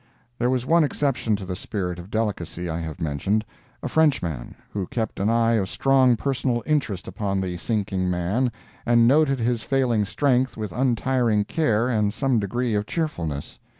There was one exception to the spirit of delicacy I have mentioned—a Frenchman, who kept an eye of strong personal interest upon the sinking man and noted his failing strength with untiring care and some degree of cheerfulness.